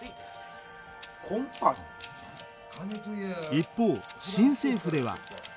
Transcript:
一方新政府では。